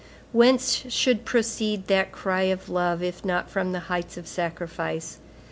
Whence should proceed that cry of love, if not from the heights of sacrifice?